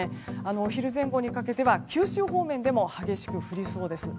お昼前後にかけては九州方面でも激しく降りそうです。